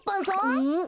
うん？